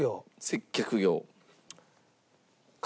接客業。